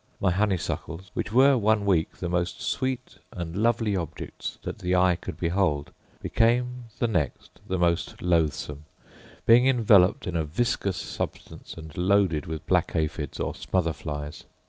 My honey suckles, which were one week the most sweet and lovely objects that the eye could behold, became the next the most loathsome; being enveloped in a viscous substance, and loaded with black aphides, or smother flies.